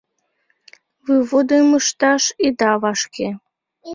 «Выводым ышташ ида вашке...»